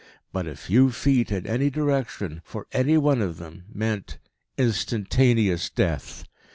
But a few feet in any direction, for any one of them, meant instantaneous death.